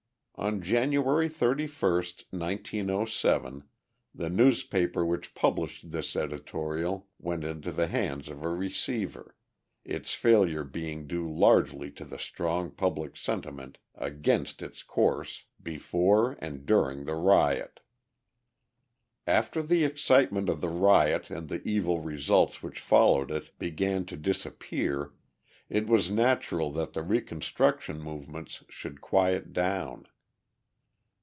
On January 31, 1907, the newspaper which published this editorial went into the hands of a receiver its failure being due largely to the strong public sentiment against its course before and during the riot. After the excitement of the riot and the evil results which followed it began to disappear it was natural that the reconstruction movements should quiet down.